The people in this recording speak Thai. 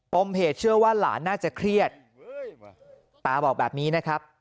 มเหตุเชื่อว่าหลานน่าจะเครียดตาบอกแบบนี้นะครับ